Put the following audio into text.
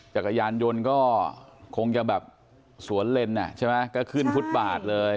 จักรยานยนต์ก็คงจะแบบสวนเลนอ่ะใช่ไหมก็ขึ้นฟุตบาทเลย